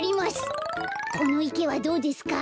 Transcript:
このいけはどうですか？